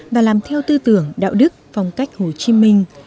và làm theo tư tưởng đạo đức phong cách hồ chí minh